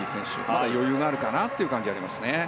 まだ余裕があるかなという感じですね。